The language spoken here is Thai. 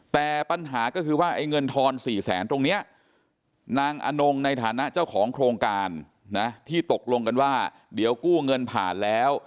แต่ปัญหาก็คือว่าไอ้เงินทอน๔แสนตรงนี้นางอนงในฐานะเจ้าของโครงการนะที่ตกลงกันว่าเดี๋ยวกู้เงินผ่านแล้ว